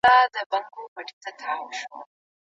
دغه جومات زموږ له کور څخه یوازې دوه کوڅې لرې دی.